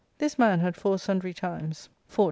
This man had four simdry times fought ARCADIA.